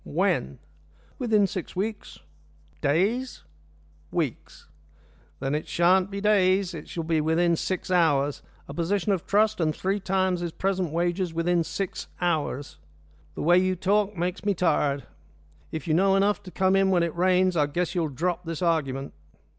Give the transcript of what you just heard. "When?" "Within six weeks." "Days?" "Weeks." "Then it shan't be days. It shall be within six hours a position of trust and three times his present wages within six hours. The way you talk makes me tired. If you know enough to come in when it rains, I guess you'll drop this argument."